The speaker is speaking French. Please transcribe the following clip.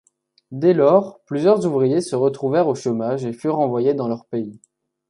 Dès lors, plusieurs ouvriers se retrouvèrent au chômage et furent renvoyés dans leur pays.